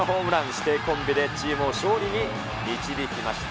師弟コンビでチームを勝利に導きました。